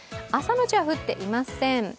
朝のうちは降っていません。